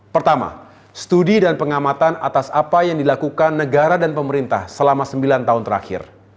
pertama studi dan pengamatan atas apa yang dilakukan negara dan pemerintah selama sembilan tahun terakhir